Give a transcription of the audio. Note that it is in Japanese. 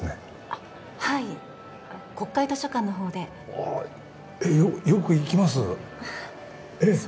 あっはい国会図書館の方でああよく行きますええええ